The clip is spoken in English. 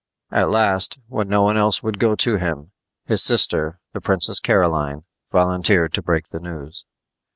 At last, when no one else would go to him, his sister, the Princess Caroline, volunteered to break the news.